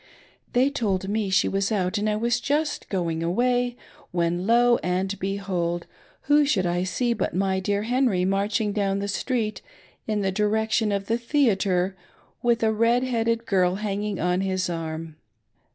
They told me she was out and I was just going away when» lo and behold, who should I see but my dear Henry ma, rching down the street in the direction of the theatre with a red headed girl hanging on his arm.